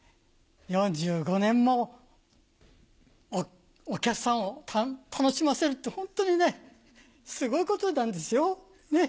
４５年もお客さんを楽しませるって、本当にね、すごいことなんですよ。